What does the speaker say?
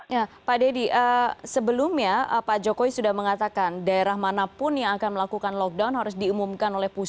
ya pak dedy sebelumnya pak jokowi sudah mengatakan daerah manapun yang akan melakukan lockdown harus diumumkan oleh pusat